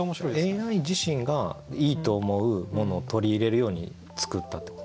ＡＩ自身がいいと思うものを取り入れるように作ったってことですか？